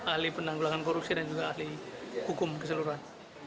ahli penanggulangan korupsi dan juga ahli hukum keseluruhan